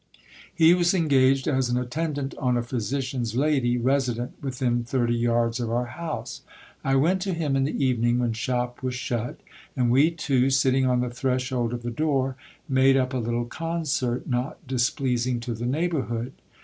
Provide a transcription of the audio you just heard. He was engaged as an attendant on a physician's lady, resident within thirty yards of our house. I went to him in the evening, when shop was shut, and we two, sitting on the threshold of the door, made up a little concert not displeasing to the neigh bourhood.